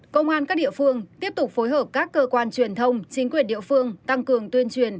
công an các địa phương tiếp tục phối hợp các cơ quan truyền thông chính quyền địa phương tăng cường tuyên truyền